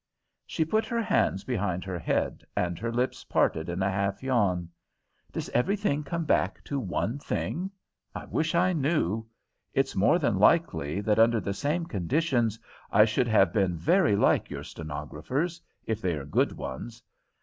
She put her hands behind her head and her lips parted in a half yawn. "Does everything come back to one thing? I wish I knew! It's more than likely that, under the same conditions, I should have been very like your stenographers if they are good ones.